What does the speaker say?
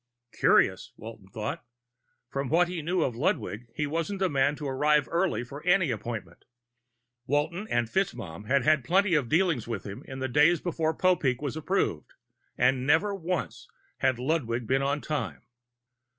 Curious, Walton thought. From what he knew of Ludwig he wasn't the man to arrive early for an appointment. Walton and FitzMaugham had had plenty of dealings with him in the days before Popeek was approved, and never once had Ludwig been on time.